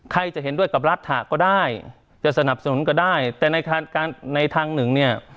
ใครจะเห็นด้วยกับรัฐะก็ได้จะสนับสนุนก็ได้แต่ในทางหนึ่งเนี่ย